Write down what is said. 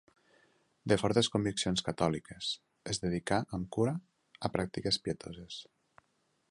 De fortes conviccions catòliques, es dedicà amb cura a pràctiques pietoses.